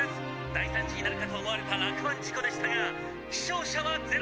大惨事になるかと思われた落盤事故でしたが死傷者はゼロ！